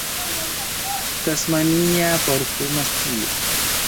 Tasmania parkuma stilo